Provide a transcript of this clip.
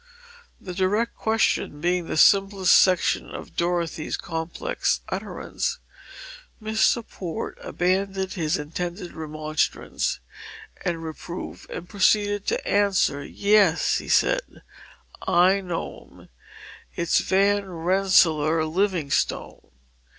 The direct question being the simplest section of Dorothy's complex utterance, Mr. Port abandoned his intended remonstrance and reproof and proceeded to answer it. "Yes," he said, "I know him. It's Van Rensselaer Livingstone.